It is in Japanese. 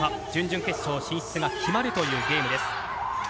準々決勝進出が決まるというゲームです。